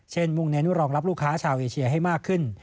มุ่งเน้นรองรับลูกค้าชาวเอเชียให้มากขึ้น